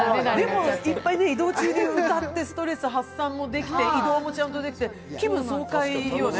でも、移動中でいっぱい歌ってストレス発散できて、移動もちゃんとできて気分爽快よね。